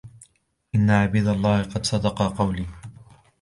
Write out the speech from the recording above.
إنَّ عُبَيْدَ اللَّهِ قَدْ صَدَّقَ قَوْلِي